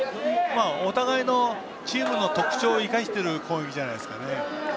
お互いのチームの特徴を生かしている攻撃ですね。